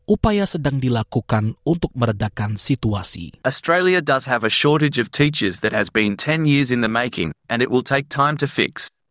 upaya sedang dilakukan untuk meredakan situasi